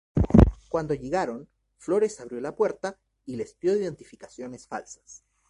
Cuando llegaron, Flores abrió la puerta y les dio identificaciones falsas.